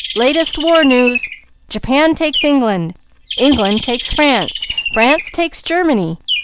_ Latest war news! Japan takes England! England takes France! France takes Germany!